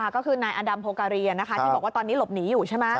ก็คือนายอดัมโพการีที่บอกว่าตอนนี้หลบหนีอยู่ใช่ไหม